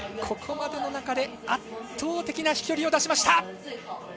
ここまでの中で圧倒的な飛距離を出しました。